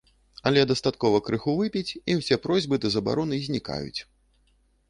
Але дастаткова крыху выпіць, і ўсе просьбы ды забароны знікаюць.